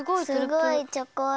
すごいチョコ。